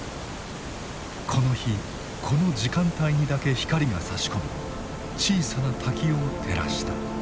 この日この時間帯にだけ光がさし込み小さな滝を照らした。